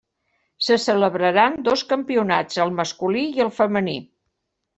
Se celebraran dos campionats, el masculí i el femení.